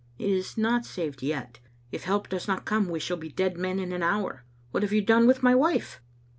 " It is not saved yet. If help does not come, we shall be dead men in an hour. What have you done with my wife?"